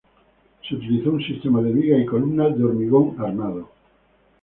Se utilizó un sistema de vigas y columnas de hormigón armado.